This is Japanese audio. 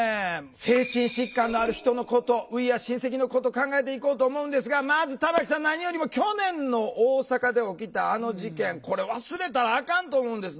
精神疾患のある人のことＷｅａｒｅシンセキ！のこと考えていこうと思うんですがまず玉木さん何よりも去年の大阪で起きたあの事件これ忘れたらあかんと思うんです。